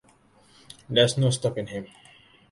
There's no stopping him.